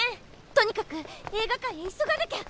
とにかく映画館へ急がなきゃ。